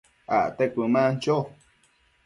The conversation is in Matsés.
acte cuëman cho